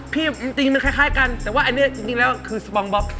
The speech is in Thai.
จริงมันคล้ายกันแต่ว่าอันนี้จริงแล้วคือสปองบ๊อบ